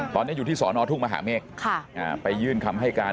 ตอนนี้อยู่ที่สอนอทุ่งมหาเมฆไปยื่นคำให้การ